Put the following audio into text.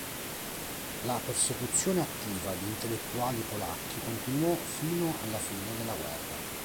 La persecuzione attiva di intellettuali polacchi continuò fino alla fine della guerra.